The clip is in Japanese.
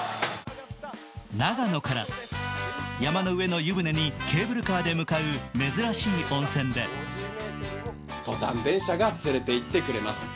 長野から、山の上の湯船にケーブルカーで向かう珍しい温泉登山電車が連れていってくれます。